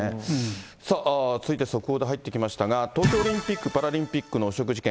さあ、続いて速報で入ってきましたが、東京オリンピック・パラリンピックの汚職事件。